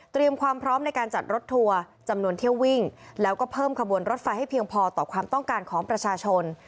ความพร้อมในการจัดรถทัวร์จำนวนเที่ยววิ่งแล้วก็เพิ่มขบวนรถไฟให้เพียงพอต่อความต้องการของประชาชน